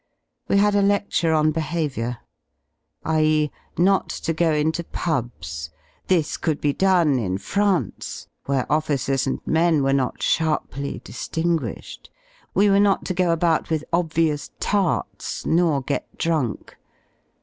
We had a lecture on behaviour — l.e.y Not to go mtopubs.; this could be done m France y where officers and men were not ( sharply diliwguished; we tvere not to go about with obvious 'Starts, nor get drunk.